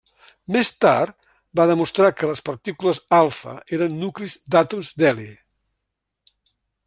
Més tard va demostrar que les partícules alfa eren nuclis d'àtoms d'heli.